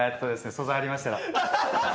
素材ありましたら。